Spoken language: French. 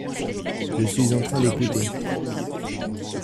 Je suis en train d’écouter.